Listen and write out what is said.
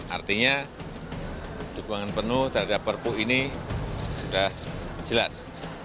artinya dukungan penuh terhadap perpu ini sudah jelas